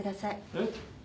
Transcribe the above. えっ？